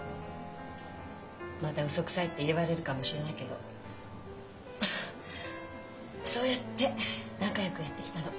また「ウソくさい」って言われるかもしれないけどフフッそうやって仲よくやってきたの。